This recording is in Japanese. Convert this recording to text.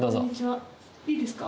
いいですか？